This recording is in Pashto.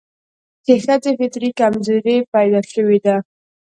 چې ښځه فطري کمزورې پيدا شوې ده